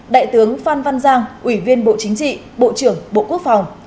đại tướng phan văn giang ủy viên bộ chính trị bộ trưởng bộ quốc phòng